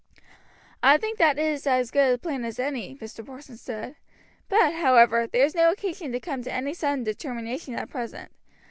"I think that is as good a plan as any," Mr. Porson said; "but, however, there is no occasion to come to any sudden determination at present.